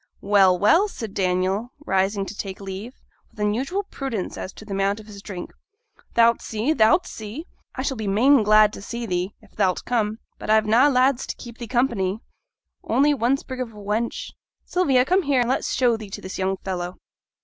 'Well, well!' said Daniel, rising to take leave, with unusual prudence as to the amount of his drink. 'Thou'lt see, thou'lt see! I shall be main glad to see thee; if thou'lt come. But I've na' lads to keep thee company, only one sprig of a wench. Sylvia, come here, an let's show thee to this young fellow!'